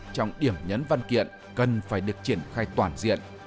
trong điểm nhấn văn kiện cần phải được triển khai toàn diện